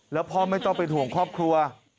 แล้วพ่อไม่ต้องเป็นห่วงครอบครัว